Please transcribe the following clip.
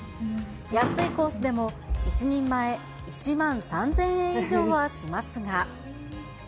安いコースでも１人前１万３０００円以上はしますが。